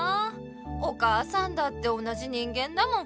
お母さんだって同じ人間だもん。